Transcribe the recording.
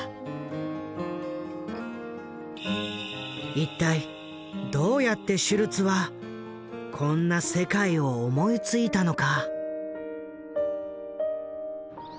一体どうやってシュルツはこんな世界を思いついたのか？